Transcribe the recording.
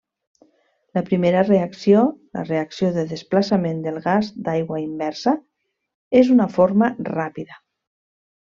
La primera reacció, la reacció de desplaçament del gas d'aigua inversa, és una forma ràpida.